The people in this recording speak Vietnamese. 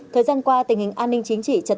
thời gian qua tình hình an ninh chính trị trật tự